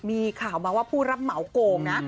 มีข่าวมาว่าผู้รับเหมาโกงนะ